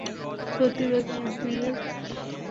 প্রতি ব্যাগে আট মিলিয়ন।